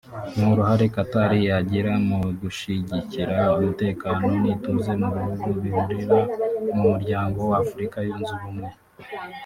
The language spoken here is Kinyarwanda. n’uruhare Qatar yagira mu gushyigikira umutekano n’ituze mu bihugu bihurira mu Muryango wa Afurika yunze Ubumwe